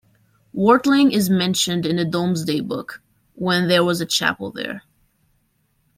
Wartling is mentioned in the Domesday Book, when there was a chapel there.